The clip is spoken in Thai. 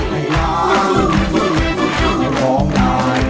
เพลงที่๓นะครับ